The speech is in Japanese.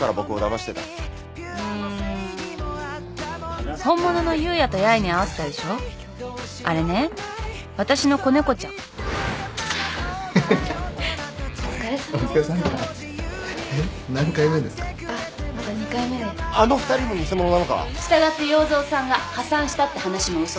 したがって要造さんが破産したって話も嘘。